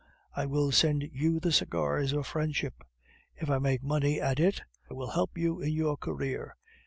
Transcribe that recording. I will send you the cigars of friendship. If I make money at it, I will help you in your career.